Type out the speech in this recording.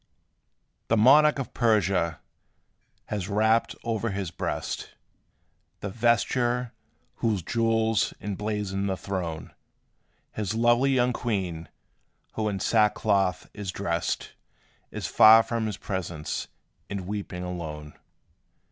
The monarch of Persia has wrapped o'er his breast The vesture, whose jewels emblazoned the throne: His lovely young queen, who in sackcloth is dressed, Is far from his presence, and weeping alone.